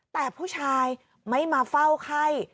แต่ผู้ชายไม่มาเฝ้าไข้